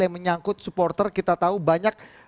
yang menyangkut supporter kita tahu banyak